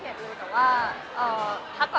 พี่สาธารณีเขาทำใจกันมักกิ๊บค่ะฮะ